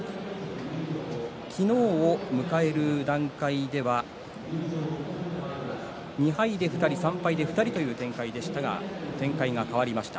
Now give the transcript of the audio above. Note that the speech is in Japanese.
昨日迎える段階では２敗で２人、３敗で２人という展開でしたが展開が変わりました。